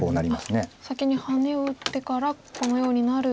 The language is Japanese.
先にハネを打ってからこのようになると。